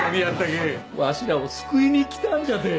わしらを救いに来たんじゃて！